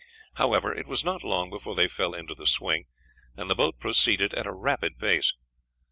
However, it was not long before they fell into the swing, and the boat proceeded at a rapid pace.